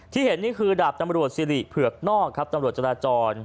เห็นนี่คือดาบตำรวจสิริเผือกนอกครับตำรวจจราจร